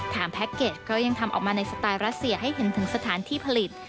แพ็คเกจก็ยังทำออกมาในสไตล์รัสเซียให้เห็นถึงสถานที่ผลิต